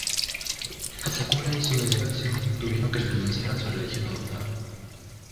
Hasekura y su delegación tuvieron que renunciar a su religión adoptada.